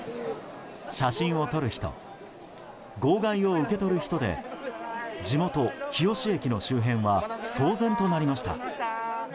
写真を撮る人号外を受け取る人で地元・日吉駅の周辺は騒然となりました。